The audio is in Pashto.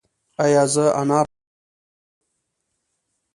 ایا زه انار خوړلی شم؟